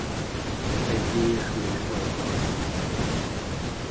Elvire n'aimait pas encore assez.